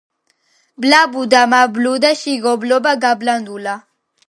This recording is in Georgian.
ბლაბუდა, მაბლაბუდა, შიგ ობობა გაბლანდულა